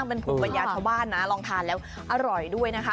มันภูมิปัญญาชาวบ้านนะลองทานแล้วอร่อยด้วยนะคะ